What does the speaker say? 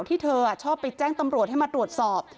ที่เธอชอบไปแจ้งตำรวจให้มาตรวจสอบ